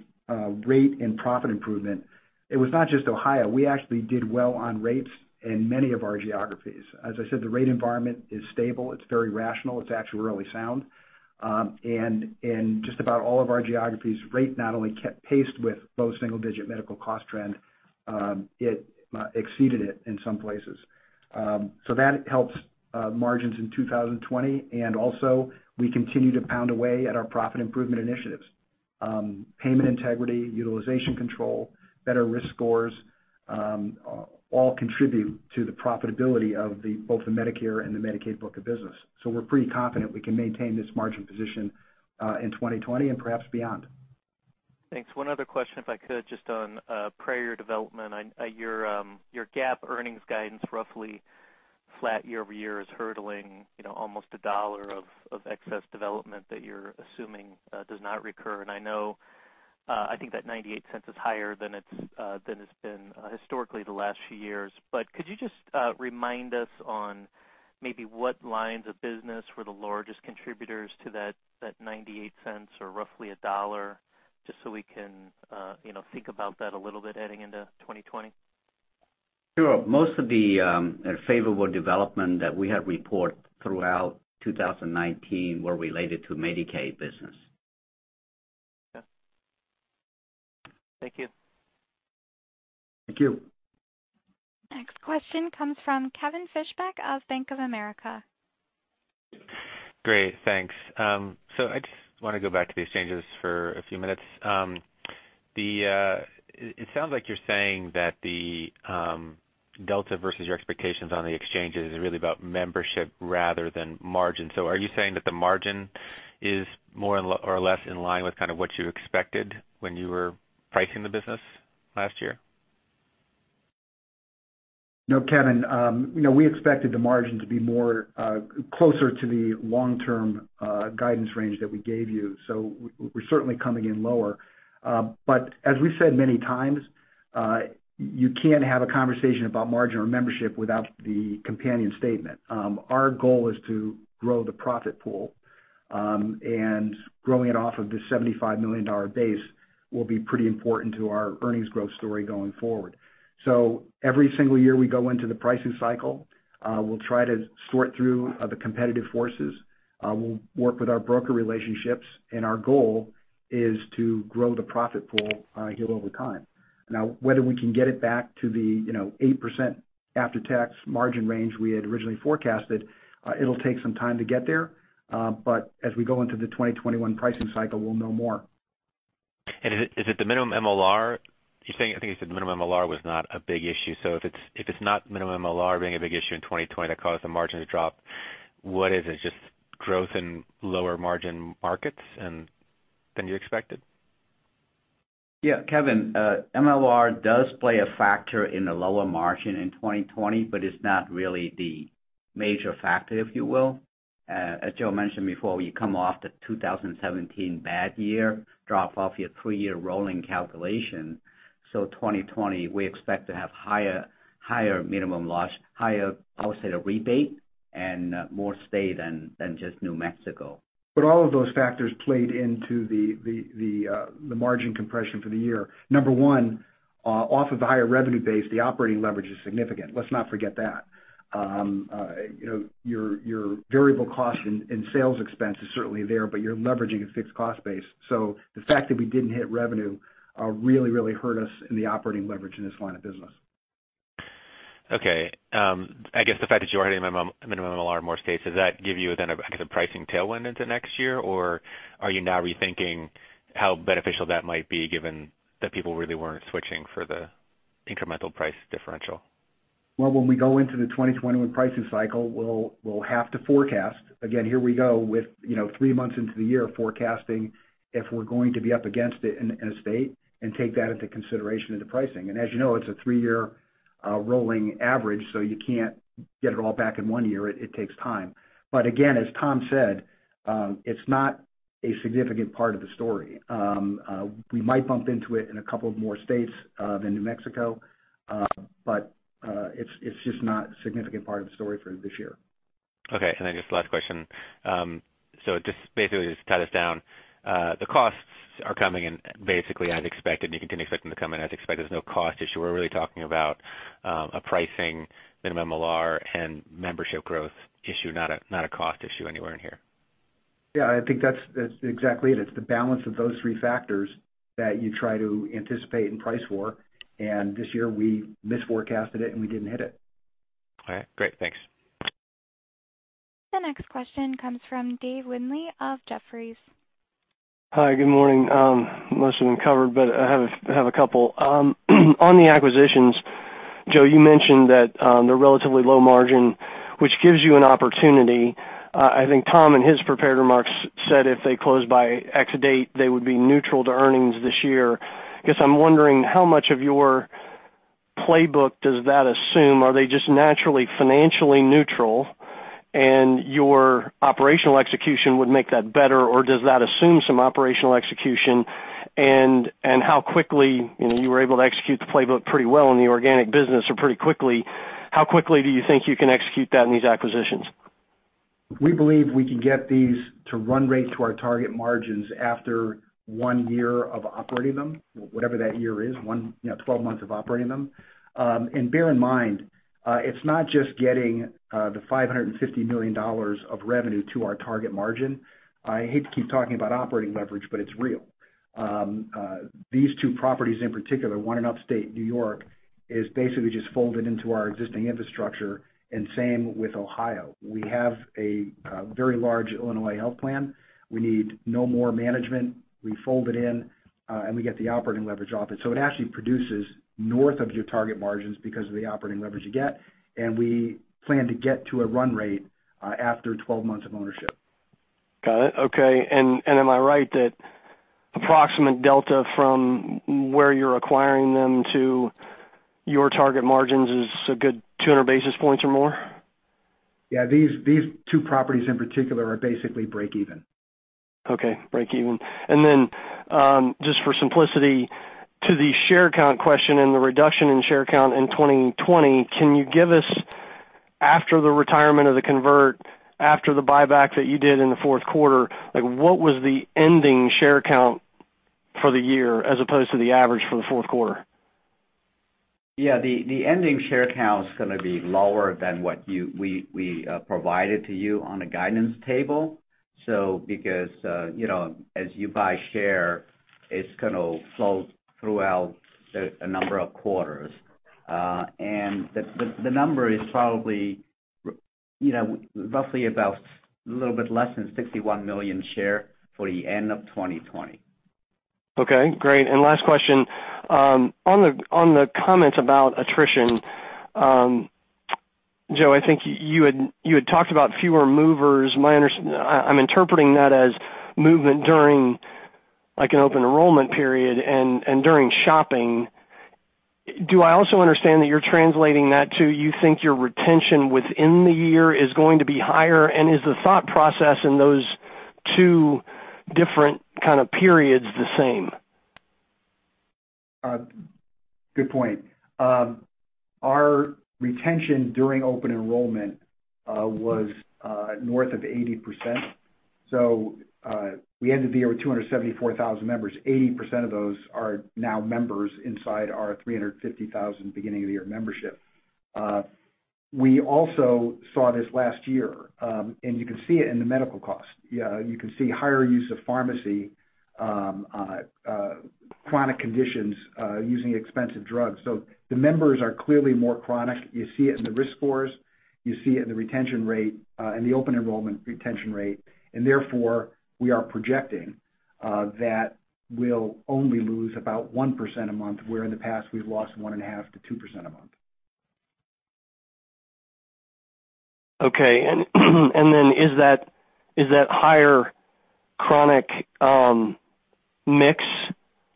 Speaker 3: rate and profit improvement, it was not just Ohio. We actually did well on rates in many of our geographies. As I said, the rate environment is stable. It's very rational. It's actuarially sound. In just about all of our geographies, rate not only kept pace with low single-digit medical cost trend, it exceeded it in some places. That helps margins in 2020, and also we continue to pound away at our profit improvement initiatives. Payment integrity, utilization control, better risk scores, all contribute to the profitability of both the Medicare and the Medicaid book of business. We're pretty confident we can maintain this margin position in 2020 and perhaps beyond.
Speaker 14: Thanks. One other question, if I could, just on prior development. Your GAAP earnings guidance roughly flat year-over-year is hurdling almost $1 of excess development that you're assuming does not recur. I think that $0.98 is higher than it's been historically the last few years. Could you just remind us on maybe what lines of business were the largest contributors to that $0.98 or roughly $1, just so we can think about that a little bit heading into 2020?
Speaker 4: Sure. Most of the favorable development that we have reported throughout 2019 were related to Medicaid business.
Speaker 14: Okay. Thank you.
Speaker 4: Thank you.
Speaker 1: Next question comes from Kevin Fischbeck of Bank of America.
Speaker 15: Great, thanks. I just want to go back to the exchanges for a few minutes. It sounds like you're saying that the delta versus your expectations on the exchanges is really about membership rather than margin. Are you saying that the margin is more or less in line with kind of what you expected when you were pricing the business last year?
Speaker 3: Kevin, we expected the margin to be more closer to the long-term guidance range that we gave you. We're certainly coming in lower. As we said many times, you can't have a conversation about margin or membership without the companion statement. Our goal is to grow the profit pool, and growing it off of this $75 million base will be pretty important to our earnings growth story going forward. Every single year we go into the pricing cycle, we'll try to sort through the competitive forces. We'll work with our broker relationships, and our goal is to grow the profit pool year over time. Whether we can get it back to the 8% after-tax margin range we had originally forecasted, it'll take some time to get there. As we go into the 2021 pricing cycle, we'll know more.
Speaker 15: Is it the minimum MLR? I think you said the minimum MLR was not a big issue. If it's not minimum MLR being a big issue in 2020 that caused the margin to drop, what is it? Just growth in lower margin markets than you expected?
Speaker 4: Kevin, MLR does play a factor in the lower margin in 2020, it's not really the major factor, if you will. As Joe mentioned before, we come off the 2017 bad year, drop off your three-year rolling calculation. 2020, we expect to have higher minimum loss, higher outside of rebate, and more state than just New Mexico.
Speaker 3: All of those factors played into the margin compression for the year. Number one, off of the higher revenue base, the operating leverage is significant. Let's not forget that. Your variable cost and sales expense is certainly there, but you're leveraging a fixed cost base. The fact that we didn't hit revenue really hurt us in the operating leverage in this line of business.
Speaker 15: Okay. I guess the fact that you are hitting minimum MLR in more states, does that give you then a pricing tailwind into next year? Are you now rethinking how beneficial that might be given that people really weren't switching for the incremental price differential?
Speaker 3: Well, when we go into the 2021 pricing cycle, we'll have to forecast. Again, here we go with three months into the year forecasting if we're going to be up against it in a state and take that into consideration into pricing. As you know, it's a three-year rolling average, so you can't get it all back in one year. It takes time. Again, as Tom said, it's not a significant part of the story. We might bump into it in a couple of more states than New Mexico, but it's just not a significant part of the story for this year.
Speaker 15: Okay. Just last question. Just basically to tie this down, the costs are coming in basically as expected, and you continue to expect them to come in as expected. There's no cost issue. We're really talking about a pricing minimum MLR and membership growth issue, not a cost issue anywhere in here.
Speaker 3: Yeah, I think that's exactly it. It's the balance of those three factors that you try to anticipate and price for. This year, we misforecasted it, and we didn't hit it.
Speaker 15: All right. Great. Thanks.
Speaker 1: The next question comes from David Windley of Jefferies.
Speaker 16: Hi, good morning. Most have been covered, but I have a couple. On the acquisitions, Joe, you mentioned that they're relatively low margin, which gives you an opportunity. I think Tom in his prepared remarks said if they close by X date, they would be neutral to earnings this year. I guess I'm wondering how much of your playbook does that assume? Are they just naturally financially neutral, and your operational execution would make that better, or does that assume some operational execution? How quickly, you were able to execute the playbook pretty well in the organic business or pretty quickly. How quickly do you think you can execute that in these acquisitions?
Speaker 3: We believe we can get these to run rates to our target margins after one year of operating them, whatever that year is, 12 months of operating them. Bear in mind, it's not just getting the $550 million of revenue to our target margin. I hate to keep talking about operating leverage, but it's real. These two properties in particular, one in Upstate New York, is basically just folded into our existing infrastructure, and same with Ohio. We have a very large Illinois health plan. We need no more management. We fold it in, and we get the operating leverage off it. It actually produces north of your target margins because of the operating leverage you get, and we plan to get to a run rate after 12 months of ownership.
Speaker 16: Got it. Okay. Am I right that approximate delta from where you're acquiring them to your target margins is a good 200 basis points or more?
Speaker 3: Yeah. These two properties in particular are basically break even.
Speaker 16: Okay. Break even. Just for simplicity, to the share count question and the reduction in share count in 2020, can you give us after the retirement of the convert, after the buyback that you did in the fourth quarter, what was the ending share count for the year as opposed to the average for the fourth quarter?
Speaker 4: Yeah. The ending share count is going to be lower than what we provided to you on a guidance table. Because as you buy share, it's going to flow throughout a number of quarters. The number is probably roughly about a little bit less than 61 million shares for the end of 2020.
Speaker 16: Okay. Great. Last question. On the comments about attrition, Joe, I think you had talked about fewer movers. I'm interpreting that as movement during an open enrollment period and during shopping. Do I also understand that you're translating that to you think your retention within the year is going to be higher, and is the thought process in those two different kind of periods the same?
Speaker 3: Good point. Our retention during open enrollment was north of 80%. We ended the year with 274,000 members. 80% of those are now members inside our 350,000 beginning of the year membership. We also saw this last year, and you can see it in the medical cost. You can see higher use of pharmacy, chronic conditions using expensive drugs. The members are clearly more chronic. You see it in the risk scores, you see it in the retention rate and the open enrollment retention rate, and therefore, we are projecting that we'll only lose about 1% a month, where in the past we've lost 1.5%-2% a month.
Speaker 16: Okay. Is that higher chronic mix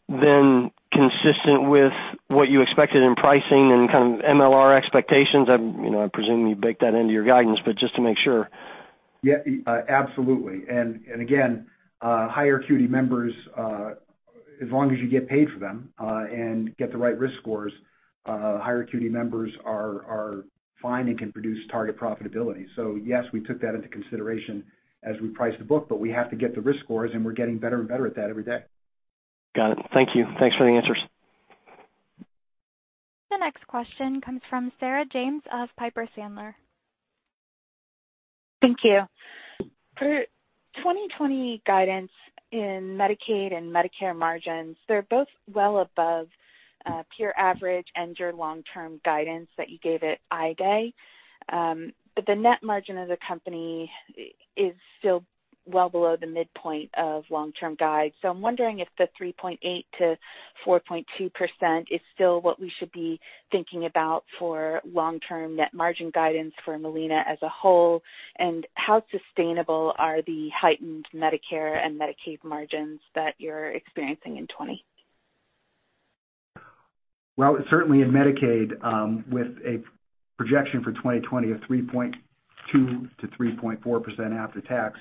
Speaker 16: then consistent with what you expected in pricing and kind of MLR expectations? I'm presuming you baked that into your guidance, but just to make sure.
Speaker 3: Yeah. Absolutely. Again, higher acuity members, as long as you get paid for them, and get the right risk scores, higher acuity members are fine and can produce target profitability. Yes, we took that into consideration as we priced the book, but we have to get the risk scores, and we're getting better and better at that every day.
Speaker 16: Got it. Thank you. Thanks for the answers.
Speaker 1: The next question comes from Sarah James of Piper Sandler.
Speaker 17: Thank you. For 2020 guidance in Medicaid and Medicare margins, they're both well above peer average and your long-term guidance that you gave at I-Day. The net margin of the company is still well below the midpoint of long-term guide. I'm wondering if the 3.8%-4.2% is still what we should be thinking about for long-term net margin guidance for Molina as a whole, and how sustainable are the heightened Medicare and Medicaid margins that you're experiencing in 2020?
Speaker 3: Well, certainly in Medicaid, with a projection for 2020 of 3.2%-3.4% after tax,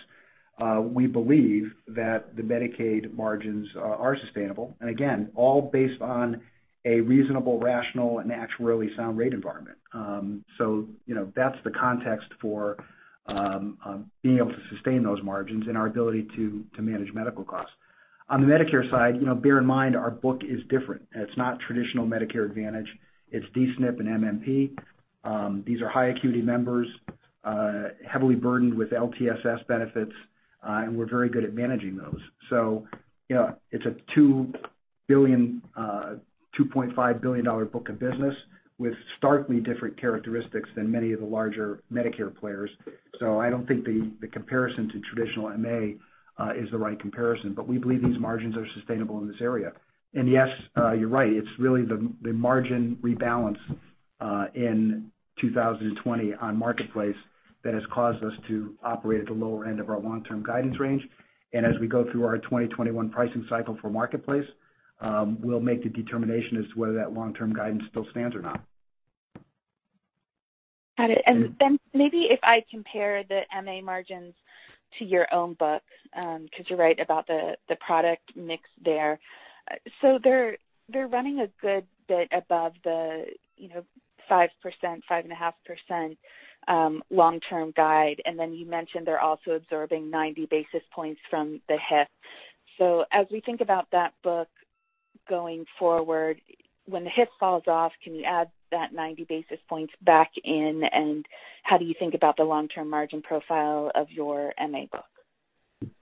Speaker 3: we believe that the Medicaid margins are sustainable. Again, all based on a reasonable, rational and actuarially sound rate environment. That's the context for being able to sustain those margins and our ability to manage medical costs. On the Medicare side, bear in mind, our book is different. It's not traditional Medicare Advantage. It's D-SNP and MMP. These are high acuity members, heavily burdened with LTSS benefits. We're very good at managing those. It's a $2.5 billion book of business with starkly different characteristics than many of the larger Medicare players. I don't think the comparison to traditional MA is the right comparison. We believe these margins are sustainable in this area. Yes, you're right. It's really the margin rebalance in 2020 on Marketplace that has caused us to operate at the lower end of our long-term guidance range. As we go through our 2021 pricing cycle for Marketplace, we'll make the determination as to whether that long-term guidance still stands or not.
Speaker 17: Got it. Maybe if I compare the MA margins to your own book, because you're right about the product mix there. They're running a good bit above the 5%-5.5% long-term guide. You mentioned they're also absorbing 90 basis points from the HIF. As we think about that book going forward, when the HIF falls off, can you add that 90 basis points back in? How do you think about the long-term margin profile of your MA book?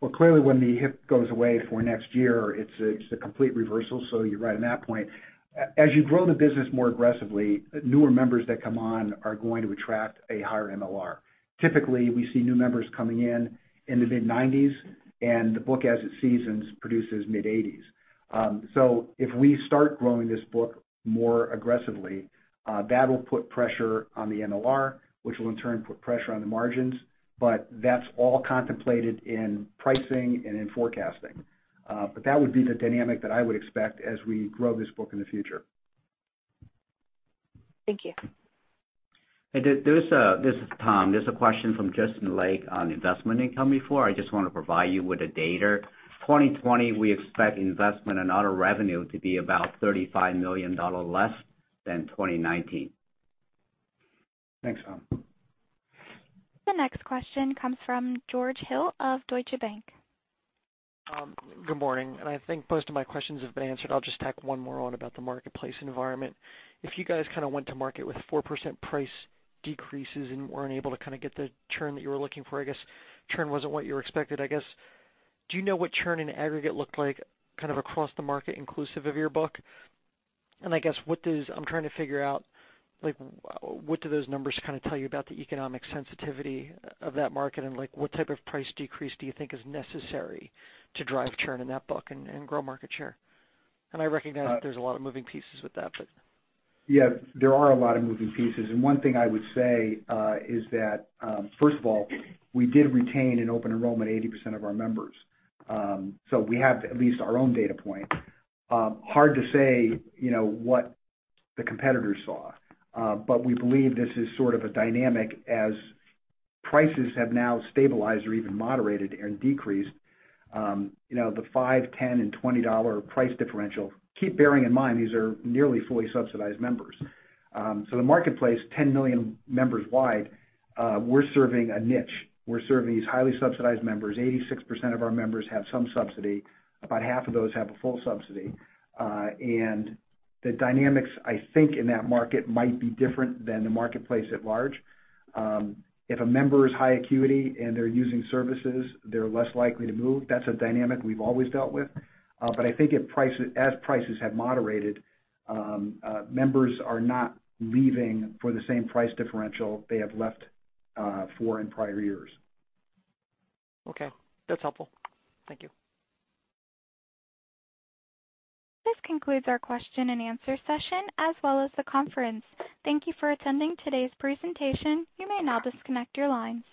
Speaker 3: Well, clearly, when the HIF goes away for next year, it's a complete reversal, so you're right on that point. As you grow the business more aggressively, newer members that come on are going to attract a higher MLR. Typically, we see new members coming in in the mid-90%, and the book, as it seasons, produces mid-80%. If we start growing this book more aggressively, that will put pressure on the MLR, which will in turn put pressure on the margins. That's all contemplated in pricing and in forecasting. That would be the dynamic that I would expect as we grow this book in the future.
Speaker 17: Thank you.
Speaker 4: Hey, this is Tom. There's a question from Justin Lake on investment income before. I just want to provide you with a data. 2020, we expect investment and auto revenue to be about $35 million less than 2019.
Speaker 3: Thanks, Tom.
Speaker 1: The next question comes from George Hill of Deutsche Bank.
Speaker 18: Good morning. I think most of my questions have been answered. I'll just tack one more on about the Marketplace environment. If you guys kind of went to market with 4% price decreases and weren't able to kind of get the churn that you were looking for, I guess churn wasn't what you expected, I guess. Do you know what churn in aggregate looked like kind of across the market, inclusive of your book? I'm trying to figure out, what do those numbers kind of tell you about the economic sensitivity of that market, and what type of price decrease do you think is necessary to drive churn in that book and grow market share? I recognize there's a lot of moving pieces with that.
Speaker 3: Yeah, there are a lot of moving pieces. One thing I would say, is that, first of all, we did retain in open enrollment 80% of our members. We have at least our own data point. Hard to say what the competitors saw, but we believe this is sort of a dynamic as prices have now stabilized or even moderated and decreased. The $5, $10, and $20 price differential. Keep bearing in mind, these are nearly fully subsidized members. The Marketplace, 10 million members wide, we're serving a niche. We're serving these highly subsidized members. 86% of our members have some subsidy. About half of those have a full subsidy. The dynamics in that market might be different than the Marketplace at large. If a member is high acuity and they're using services, they're less likely to move. That's a dynamic we've always dealt with. I think as prices have moderated, members are not leaving for the same price differential they have left for in prior years.
Speaker 18: Okay. That's helpful. Thank you.
Speaker 1: This concludes our question-and-answer session as well as the conference. Thank you for attending today's presentation. You may now disconnect your lines.